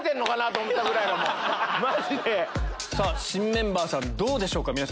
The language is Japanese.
新メンバーさんどうでしょうか？